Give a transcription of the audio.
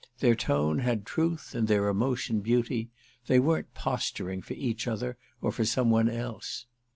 Their tone had truth and their emotion beauty; they weren't posturing for each other or for some one else.